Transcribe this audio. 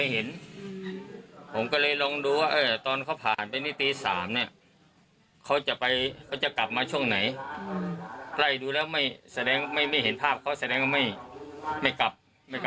หรืออาจจะมีคนพาไปได้ไหมเดินไปกลางทางไปเจอคน